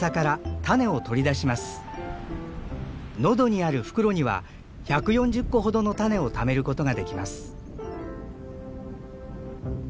喉にある袋には１４０個ほどの種をためる事ができます。